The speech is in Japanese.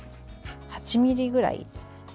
８ｍｍくらい。